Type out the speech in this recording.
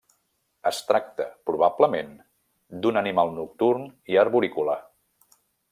Es tracta probablement d'un animal nocturn i arborícola.